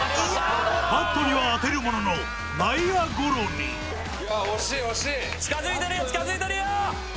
バットには当てるものの内野ゴロに惜しい惜しい近づいてるよ近づいてるよ！